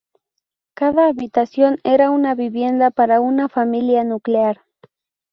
Cada habitación era una vivienda para una familia nuclear.